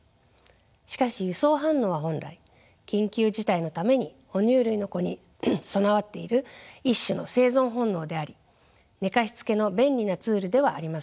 しかし輸送反応は本来緊急事態のために哺乳類の子に備わっている一種の生存本能であり寝かしつけの便利なツールではありません。